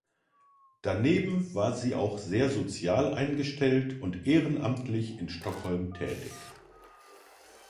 Daneben war sie auch sehr sozial eingestellt und ehrenamtlich in Stockholm tätig.